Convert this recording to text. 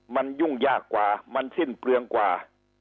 มันยุ่งยากกว่ามันสิ้นเปลืองกว่า